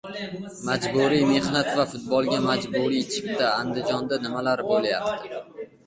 Majburiy mehnat va futbolga majburiy chipta. Andijonda nimalar bo‘lyapti?